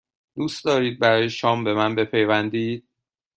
دوست دارید برای شام به من بپیوندید؟